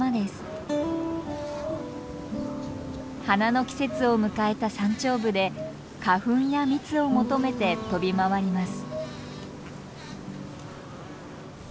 花の季節を迎えた山頂部で花粉や蜜を求めて飛び回ります。